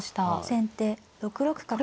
先手６六角。